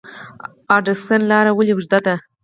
ادرسکن لاره ولې اوږده ده؟